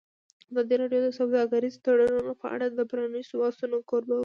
ازادي راډیو د سوداګریز تړونونه په اړه د پرانیستو بحثونو کوربه وه.